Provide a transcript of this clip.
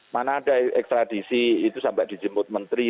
mana ada ekstradisi itu sampai dijemput menteri